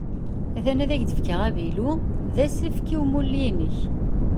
At-an ad k-d-fkeɣ avilu-a d asefk i umulli-inek.